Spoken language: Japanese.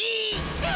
え！